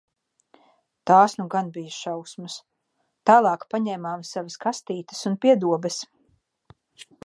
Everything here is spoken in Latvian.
Tās nu gan bija šausmas. Tālāk paņēmām savas kastītes un pie dobes.